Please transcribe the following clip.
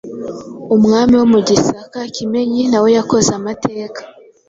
umwami wo mu Gisaka Kimenyi nawe yakoze amateka ,